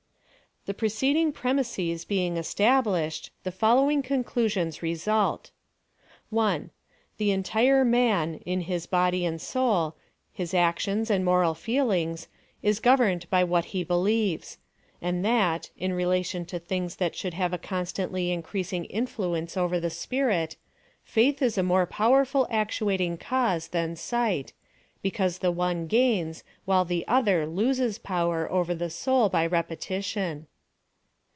The precedii^ig premises being established, the following conclusions result : 1. The entire man, in his body and soul, his ac tions and moral feelings, is governed by what he believes: and that, in relation to things that should have a constantly increasing influence over the spirit, faith is a more powerful actuating cause than sight, because the one gains, while the other loses power over the soul by repetition.